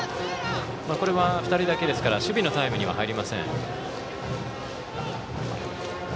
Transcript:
これは２人だけですから守備のタイムには入りません。